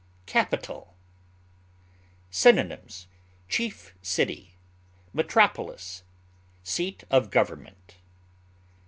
CAPITAL. Synonyms: chief city, metropolis, seat of government.